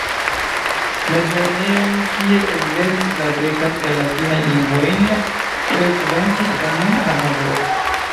Mezlernejon, kie ellernis la grekan kaj latinan lingvojn, frekventis en Hanovro.